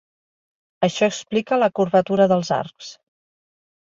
Això explica la curvatura dels arcs.